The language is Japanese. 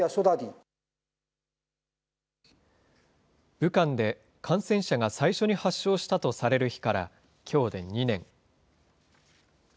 武漢で感染者が最初に発症したとされる日からきょうで２年。